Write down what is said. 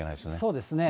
そうですね。